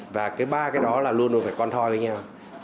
và cái ba cái đó là luôn luôn phải con thoi với nhau